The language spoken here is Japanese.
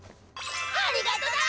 ありがとだ